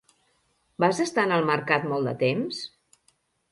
Vas estar en el mercat molt de temps?